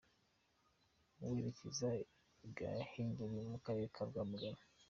Werekeza i Gahengeri mu Karere ka Rwamagana.